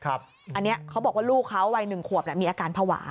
อันนี้เขาบอกว่าลูกเขาวัย๑ขวบมีอาการภาวะ